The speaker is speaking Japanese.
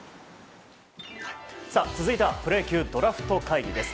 続いてはプロ野球ドラフト会議です。